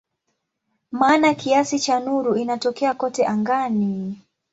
Maana kiasi cha nuru inatokea kote angani.